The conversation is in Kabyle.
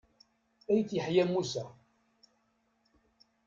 Ayt Yeḥya Musa.